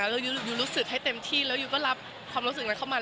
แล้วยูรู้สึกให้เต็มที่แล้วยูก็รับความรู้สึกนั้นเข้ามา